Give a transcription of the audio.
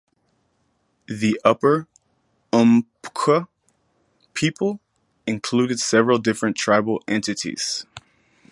The Upper Umpqua people included several different tribal entities.